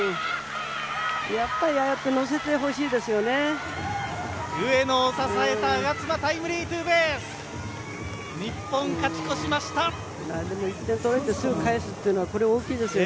やっぱりああやって乗せてほしいですよね。